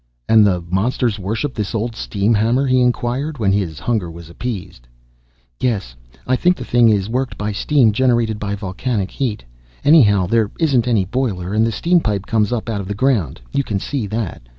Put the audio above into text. "And the monsters worship this old steam hammer?" he inquired, when his hunger was appeased. "Yes. I think the thing is worked by steam generated by volcanic heat. Anyhow, there isn't any boiler, and the steam pipe comes up out of the ground. You can see that.